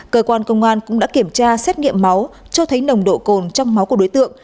cơ quan công an cũng đã kiểm tra xét nghiệm máu cho thấy nồng độ cồn trong máu của đối tượng